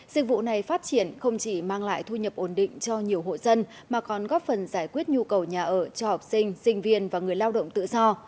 dịch vụ này phát triển không chỉ mang lại thu nhập ổn định cho nhiều hộ dân mà còn góp phần giải quyết nhu cầu nhà ở cho học sinh sinh viên và người lao động tự do